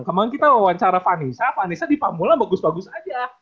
kemarin kita wawancara vanessa vanessa di pamula bagus bagus aja